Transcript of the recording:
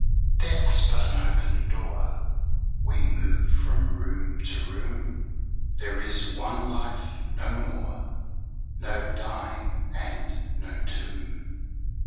Death's but an open door, We move from room to room, There is one life, no more; No dying and no tomb.